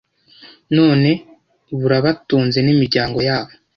None burabatunze n’imiryango yabo